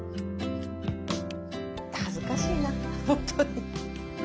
恥ずかしいな本当に。